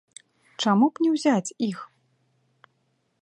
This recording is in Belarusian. Чаму б не ўзяць іх?